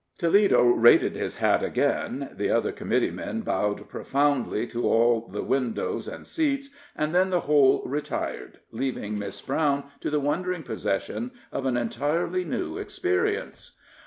Toledo raided his hat again, the other committee men bowed profoundly to all the windows and seats, and then the whole retired, leaving Miss Brown in the wondering possession of an entirely new experience.